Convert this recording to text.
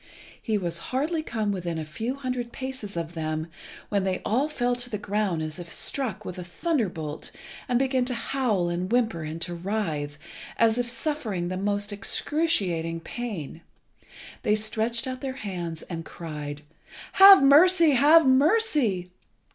He was hardly come within a few hundred paces of them when they all fell to the ground as if struck with a thunderbolt, and began to howl and whimper, and to writhe, as if suffering the most excruciating pain. They stretched out their hands, and cried "Have mercy, have mercy!